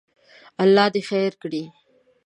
الله دې خیر کړي.